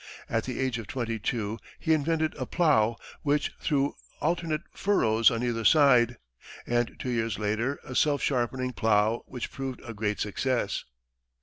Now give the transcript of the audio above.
At the age of twenty two he invented a plough, which threw alternate furrows on either side, and two years later, a self sharpening plough, which proved a great success.